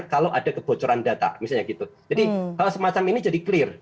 kalau ada kebocoran data misalnya gitu jadi hal semacam ini jadi clear